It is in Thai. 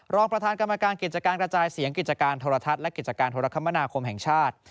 รองประธานกรรมการกิจการกระจายเสียงกิจการโทรทัศน์และกิจการโทรคมนาคมแห่งชาติ